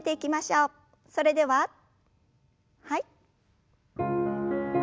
それでははい。